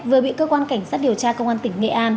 vừa bị cơ quan cảnh sát điều tra công an tỉnh nghệ an